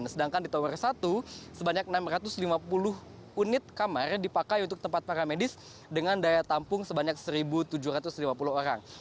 sedangkan di tower satu sebanyak enam ratus lima puluh unit kamar dipakai untuk tempat para medis dengan daya tampung sebanyak satu tujuh ratus lima puluh orang